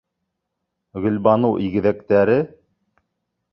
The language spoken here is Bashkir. Гөлбаныу игеҙәктәре?!